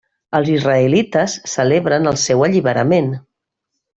Els israelites celebren el seu alliberament.